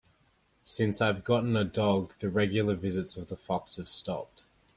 Since I've gotten a dog, the regular visits of the fox have stopped.